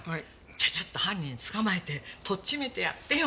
ちゃちゃっと犯人捕まえてとっちめてやってよ！